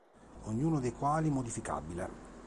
Ognuno dei quali modificabile.